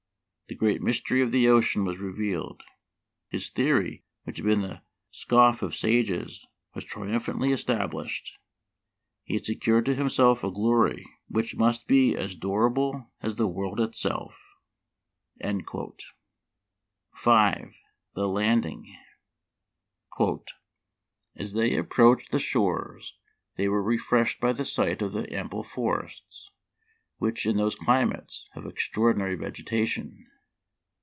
The great mystery of the ocean was revealed ; his theory which had been the scoff of sages was triumphantly established ; he had secured to himself a glory which must be as durable as the world itself." 5. The Landing. —" As they approached the Memoir of Washington Irving. 163 shores they were refreshed by the sight of the ample forests, which in those climates have extraordinary vegetation.